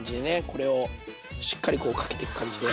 これをしっかりこうかけていく感じで。